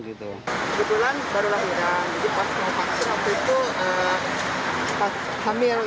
kebetulan baru lahiran jadi pas mau vaksin waktu itu pas hamil